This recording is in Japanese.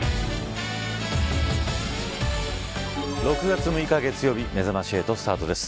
６月６日月曜日めざまし８スタートです。